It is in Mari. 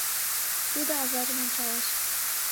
Тудо азажым ончалеш.